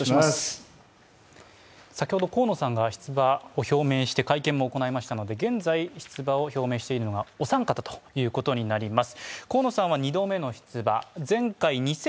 先ほど河野さんが出馬を表明して会見を行いましたので、現在出馬を表明しているのがお三方となります。